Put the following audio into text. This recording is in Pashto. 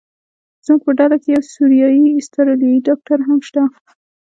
زموږ په ډله کې یو سوریایي استرالیایي ډاکټر هم شته.